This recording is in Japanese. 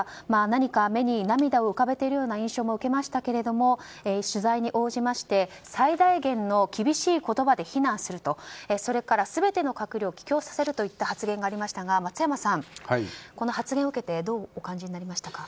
何か目に涙を浮かべているような印象も受けましたが取材に応じまして最大限の厳しい言葉で非難するとそれから全ての閣僚を帰京させるといった発言がありましたが松山さん、この発言を受けてどうお感じになりましたか？